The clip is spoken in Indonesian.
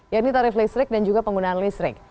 yaitu tarif listrik dan juga penggunaan listrik